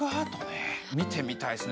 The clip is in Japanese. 見てみたいですね